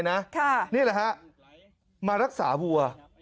นี่แหละฮะมารักษาวัว